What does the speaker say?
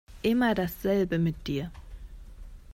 Immer dasselbe mit dir.